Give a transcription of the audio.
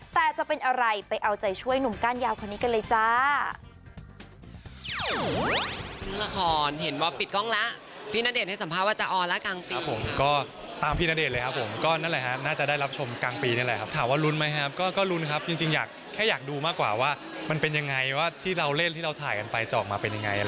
แต่จะเป็นอะไรไปเอาใจช่วยหนุ่มก้านยาวคนนี้กันเลยจ้า